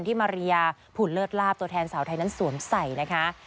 มาริยาผุนเลิศลาบตัวแทนสาวไทยนั้นสวมใส่นะคะ